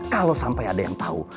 kalau sampai ada yang tahu